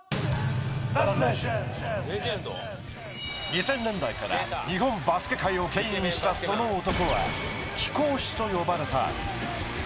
２０００年代から日本バスケ界をけん引したその男は貴公子と呼ばれた。